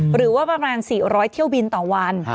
หรือว่าประมาณ๔๐๐เที่ยวบินต่อวัน